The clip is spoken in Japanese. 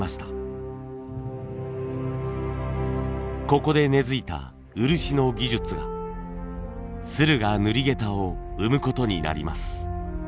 ここで根づいた漆の技術が駿河塗下駄を生む事になります。